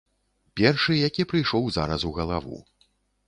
Першы, які прыйшоў зараз у галаву.